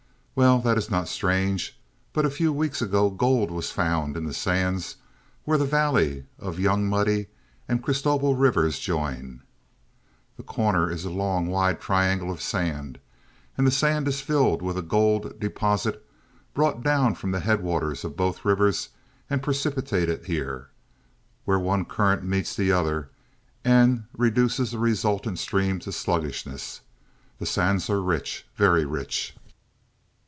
Well, that is not strange; but a few weeks ago gold was found in the sands where the valleys of Young Muddy and Christobel Rivers join. The Corner is a long, wide triangle of sand, and the sand is filled with a gold deposit brought down from the headwaters of both rivers and precipitated here, where one current meets the other and reduces the resultant stream to sluggishness. The sands are rich very rich!"